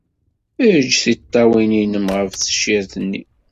Eǧǧ tiṭṭawin-nnem ɣef tcirt-nni.